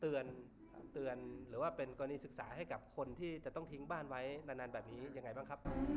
เตือนหรือว่าเป็นกรณีศึกษาให้กับคนที่จะต้องทิ้งบ้านไว้นานแบบนี้ยังไงบ้างครับ